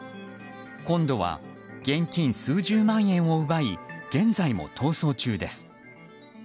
今度は現金数十万円を奪い現在も逃走中です。